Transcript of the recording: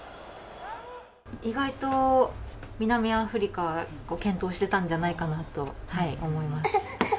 意外と南アフリカが健闘してたんじゃないかなと思います。